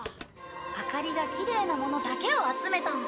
明かりがきれいなものだけを集めたんだ。